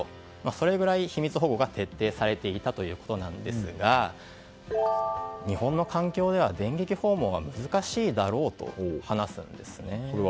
それぐらい秘密保護が徹底されていたということですが日本の環境では電撃訪問は難しいだろうと話すんですね。